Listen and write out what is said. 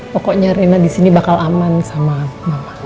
pokoknya rina di sini bakal aman sama mama